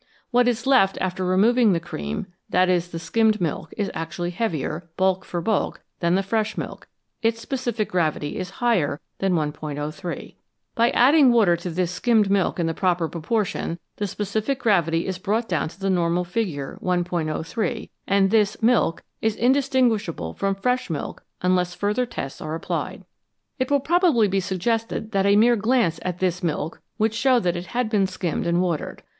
What is left after removing the cream that is, the skimmed milk is actually heavier, bulk for bulk, than the fresh milk ; its specific gravity is higher than 1 '03. By adding water to this skimmed milk in the proper proportion, the specific gravity is brought down to the normal figure 1 *03, and this " milk " is indistinguishable from fresh milk unless further tests are applied. It will probably be suggested that a mere glance at this " milk " would show that it had been skimmed and watered.